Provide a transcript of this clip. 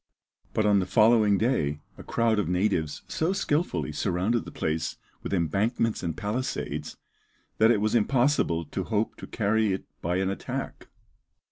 But on the following day a crowd of natives so skilfully surrounded the place with embankments and palisades, that it was impossible to hope to carry it by an attack.